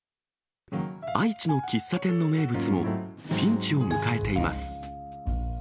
愛知の喫茶店の名物もピンチを迎えています。